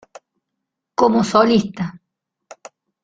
Como solista